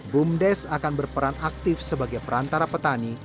bumdes akan berperan aktif sebagai perantara petani